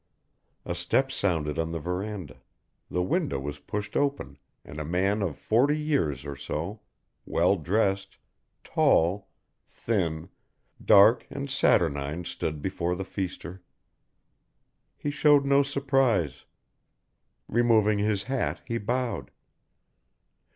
A step sounded on the verandah, the window was pushed open and a man of forty years or so, well dressed, tall, thin, dark and saturnine stood before the feaster. He showed no surprise. Removing his hat he bowed.